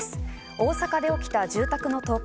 大阪で起きた住宅の倒壊。